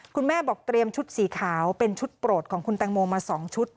คุณแม่บอกเตรียมชุดสีขาวเป็นชุดโปรดของคุณแตงโมมา๒ชุด